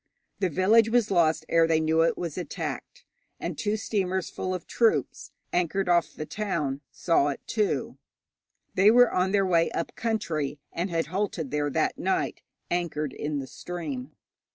The village was lost ere they knew it was attacked. And two steamers full of troops, anchored off the town, saw it, too. They were on their way up country, and had halted there that night, anchored in the stream.